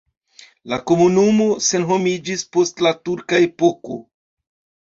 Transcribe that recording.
La komunumo senhomiĝis post la turka epoko.